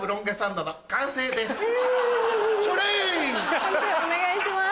判定お願いします。